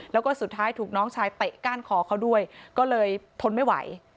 แล้วก็สุดท้ายถูกน้องชายเตะก้านคอเขาด้วยก็เลยทนไม่ไหว